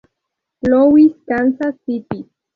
Louis, Kansas City